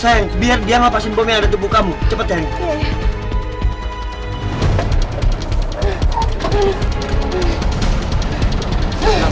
sayang biar dia ngelapasin bom yang ada di tubuh kamu cepat sayang